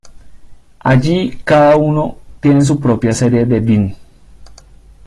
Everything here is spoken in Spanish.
Allí, cada uno tiene su propia serie de Vine.